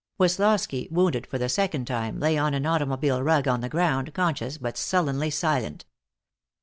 Woslosky, wounded for the second time, lay on an automobile rug on the ground, conscious but sullenly silent.